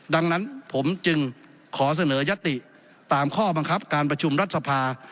ดังนั้นผมจึงขอเสนอยติตามข้อบังคับการประชุมรัฐสภา